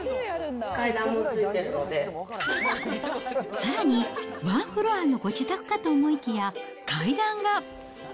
さらに、ワンフロアのご自宅かと思いきや、階段が。